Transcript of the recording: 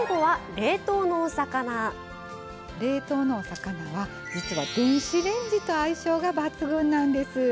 冷凍のお魚は実は電子レンジと相性が抜群なんです。